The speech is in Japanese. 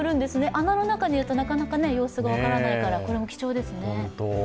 穴の中にいるとなかなか様子が分からないから、これも貴重ですね。